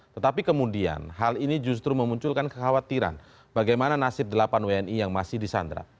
tetapi kemudian hal ini justru memunculkan kekhawatiran bagaimana nasib delapan wni yang masih di sandra